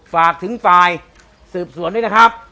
ฝากถึงฝ่ายสืบสวนด้วยนะครับ